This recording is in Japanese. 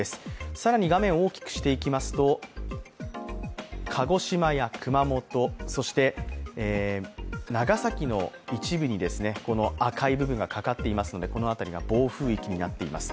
更に画面を大きくしていきますと鹿児島や熊本、そして長崎の一部に赤い部分がかかっていますので、この辺りが暴風域になっています。